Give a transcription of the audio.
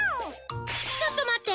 ちょっとまって！